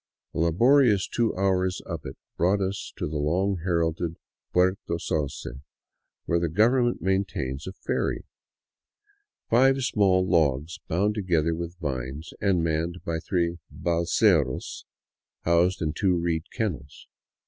A laborious two hours up it brought us to the long heralded Puerto Sauce, where the government maintains a " ferry," — five small logs bound together with vines and manned by three halseros housed in two reed kennels.